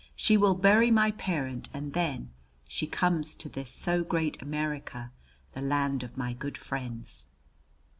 She will bury my parent, and then she comes to this so great America, the land of my good friends!"